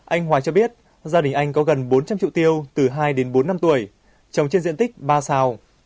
anh hòa cho biết gia đình anh có gần bốn trăm linh triệu tiêu từ hai đến bốn năm tuổi trồng trên diện tích ba sao